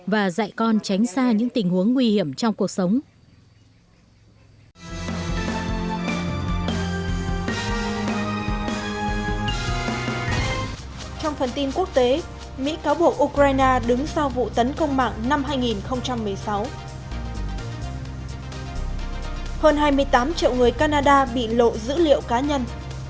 và dạy con tránh xa những tình huống nguy hiểm trong cuộc sống